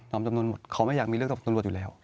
จำนวนหมดเขาไม่อยากมีเรื่องกับตำรวจอยู่แล้ว